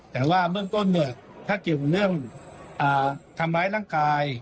แต่ว่าเมื่อกดเมืองถ้าเกี่ยวเนื่องคำไม้ร่างกาย